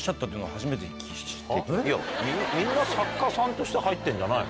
いやみんな作家さんとして入ってるんじゃないの？